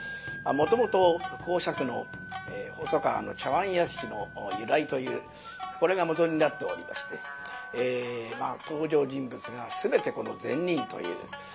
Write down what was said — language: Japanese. もともと講釈の「細川の茶碗屋敷の由来」というこれが元になっておりまして登場人物が全てこの善人という。